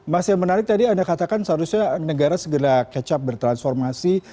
mas yang menarik tadi anda katakan seharusnya negara segera kecap bertransformasi